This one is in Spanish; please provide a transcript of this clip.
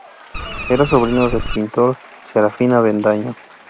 Era sobrino del pintor Serafín Avendaño.